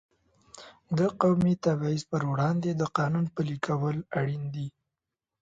د قومي تبعیض پر وړاندې د قانون پلي کول اړین دي.